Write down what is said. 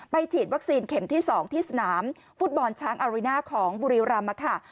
ฉีดวัคซีนเข็มที่๒ที่สนามฟุตบอลช้างอาริน่าของบุรีรำค่ะ